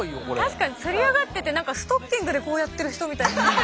確かにつり上がっててストッキングでこうやってる人みたい。